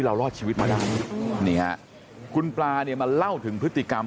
เรารอดชีวิตมากคุณปลาเนี่ยมาเล่าถึงพฤติกรรม